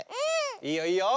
いいよいいよ。